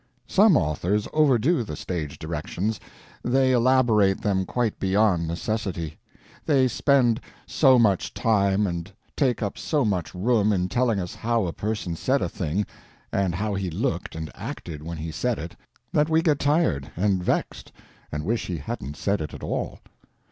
Some authors overdo the stage directions, they elaborate them quite beyond necessity; they spend so much time and take up so much room in telling us how a person said a thing and how he looked and acted when he said it that we get tired and vexed and wish he hadn't said it at all.